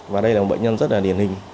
và đây là một bệnh nhân rất là điển hình